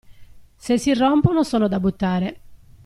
Se si rompono sono da buttare.